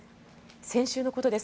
先週のことです。